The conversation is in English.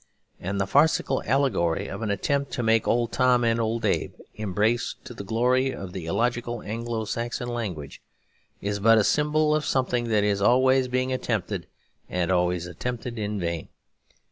And the farcical allegory of an attempt to make Old Tom and Old Abe embrace to the glory of the illogical Anglo Saxon language is but a symbol of something that is always being attempted, and always attempted in vain.